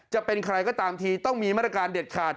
จะเป็นใครก็ตามทีต้องมีมาตรการเด็ดขาด